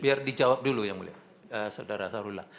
biar dijawab dulu ya mulia saudara sarula